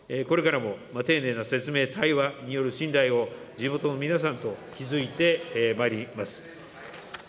これからも丁寧な説明、対話による信頼を地元の皆さんと築いてまいります。